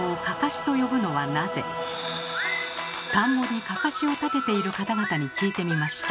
田んぼにかかしを立てている方々に聞いてみました。